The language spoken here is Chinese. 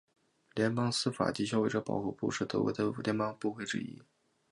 联邦司法及消费者保护部是德国的联邦部会之一。